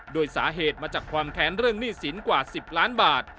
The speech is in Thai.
โดยสาเหตุมาจากความแค้นเรื่องหนี้สินกว่า๑๐ล้านบาท